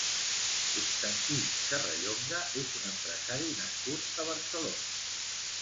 Constantí Serrallonga és un empresari nascut a Barcelona.